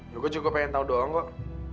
yoko juga pengen tau doang kok